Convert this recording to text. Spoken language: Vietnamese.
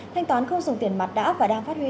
thanh toán không dùng tiền mặt đã và đang phát huy